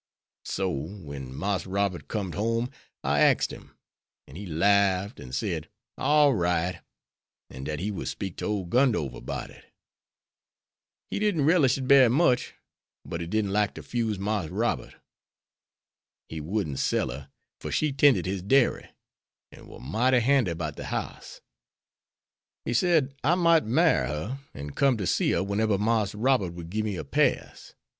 So when Marse Robert com'd home, I axed him, an' he larf'd an' said, 'All right,' an' dat he would speak to ole Gundover 'bout it. He didn't relish it bery much, but he didn't like to 'fuse Marse Robert. He wouldn't sell her, for she tended his dairy, an' war mighty handy 'bout de house. He said, I mought marry her an' come to see her wheneber Marse Robert would gib me a pass.